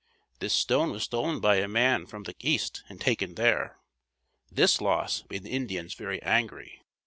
This stone was stolen by a man from the east and taken there. This loss made the Indians very angry.